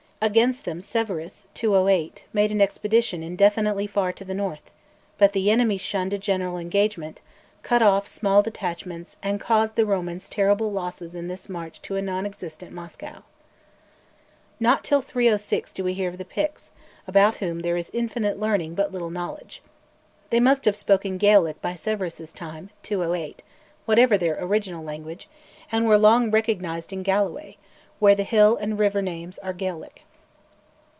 Against them Severus (208) made an expedition indefinitely far to the north, but the enemy shunned a general engagement, cut off small detachments, and caused the Romans terrible losses in this march to a non existent Moscow. Not till 306 do we hear of the Picts, about whom there is infinite learning but little knowledge. They must have spoken Gaelic by Severus's time (208), whatever their original language; and were long recognised in Galloway, where the hill and river names are Gaelic.